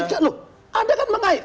tapi anda mengajak